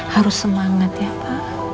harus semangat ya pak